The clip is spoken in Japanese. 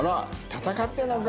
戦ってんのか。